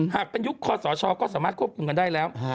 หากเป็นยุคคอสชก็สามารถควบคุมกันได้แล้ว